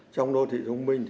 trong đô thị thông minh